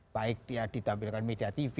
baik dia ditampilkan media tv